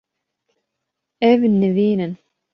Ev nivîn in.